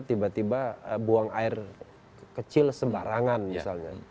tiba tiba buang air kecil sembarangan misalnya